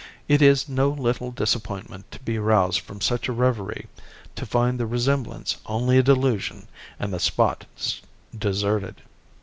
It is no little disappointment to be roused from such a reverie to find the resemblance only a delusion and the spot deserted.